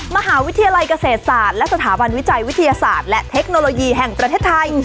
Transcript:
มหาวิทยาลัยเกษตรศาสตร์และสถาบันวิจัยวิทยาศาสตร์และเทคโนโลยีแห่งประเทศไทย